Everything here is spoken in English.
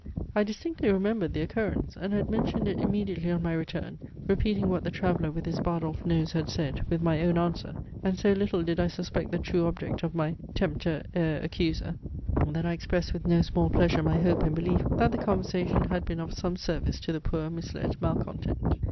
I distinctly remembered the occurrence, and had mentioned it immediately on my return, repeating what the traveller with his Bardolph nose had said, with my own answer; and so little did I suspect the true object of my "tempter ere accuser," that I expressed with no small pleasure my hope and belief, that the conversation had been of some service to the poor misled malcontent.